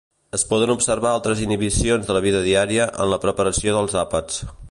Es poden observar altres inhibicions de la vida diària en la preparació dels àpats.